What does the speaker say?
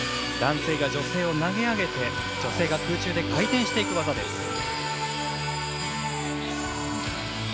男性が女性を投げ上げて女性が空中で回転していく技です。